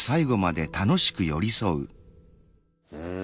うん。